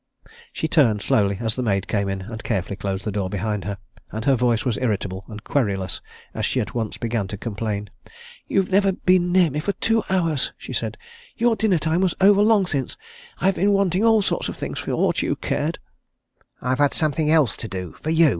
She turned slowly as the maid came in and carefully closed the door behind her, and her voice was irritable and querulous as she at once began to complain. "You've never been near me for two hours!" she said. "Your dinner time was over long since! I might have been wanting all sorts of things for aught you cared!" "I've had something else to do for you!"